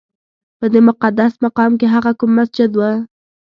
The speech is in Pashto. په دې مقدس مقام کې هغه کوم مسجد و؟